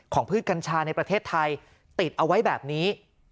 พืชกัญชาในประเทศไทยติดเอาไว้แบบนี้